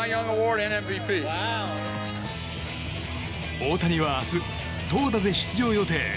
大谷は明日、投打で出場予定。